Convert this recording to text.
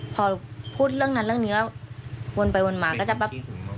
พอพูดเรื่องนั้นเรื่องนี้วนไปวนมาก็จะแบบ